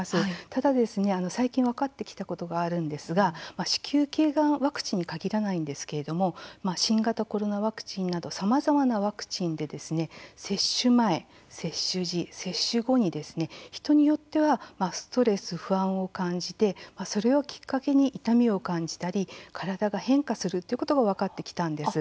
ただですね、最近分かってきたことがあるんですが子宮頸がんワクチンに限らないんですけれども新型コロナワクチンなどさまざまなワクチンで接種前、接種時、接種後に人によってはストレス、不安を感じてそれをきっかけに痛みを感じたり体が変化するということが分かってきたんです。